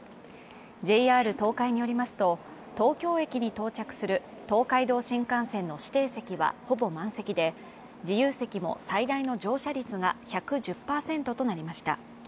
ＪＲ東海によりますと、東京駅に到着する東海道新幹線の指定席はほぼ満席で自由席も最大の乗車率が１１０％となりました。